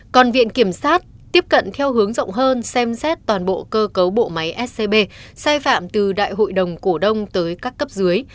còn viện kiểm sát tiếp cận theo hướng rộng hơn xem xét toàn bộ cơ cấu bộ máy scb sai phạm từ đại hội đồng cổ đông tới các cấp dưới